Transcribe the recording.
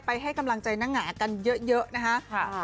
ให้กำลังใจน้าหงากันเยอะนะคะ